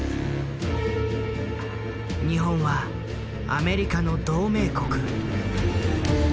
日本はアメリカの同盟国。